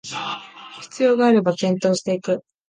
必要があれば検討していく